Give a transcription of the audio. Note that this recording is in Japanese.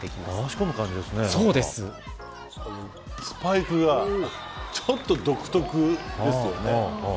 スパイクがちょっと独特ですよね。